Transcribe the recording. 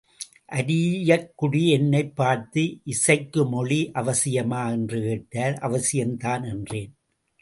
அரியக்குடி என்னைப் பார்த்து, இசைக்கு மொழி அவசியமா? என்று கேட்டார் அவசியம்தான், என்றேன்.